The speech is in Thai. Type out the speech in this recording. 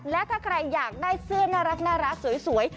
และถ้าใครอยากได้เสื้อน่ารักสวย